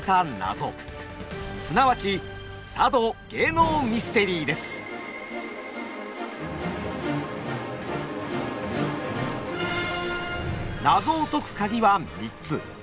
すなわち謎を解くカギは３つ。